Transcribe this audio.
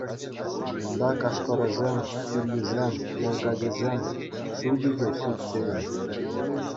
Унта кашкӑрӗсем, тиллисем, мулкачӗсем — шучӗ те ҫук тейӗн.